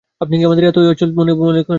আপনি কি আমাদের এতই অচল বলে মনে করেন?